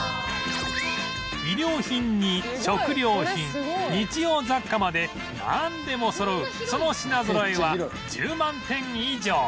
衣料品に食料品日用雑貨までなんでもそろうその品ぞろえは１０万点以上